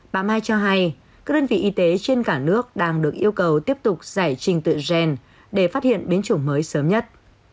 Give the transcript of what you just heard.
bà mai cho hay các đơn vị y tế trên cả nước đang được yêu cầu tiếp tục giải trình tự gen để phát hiện biến chủng mới sớm nhất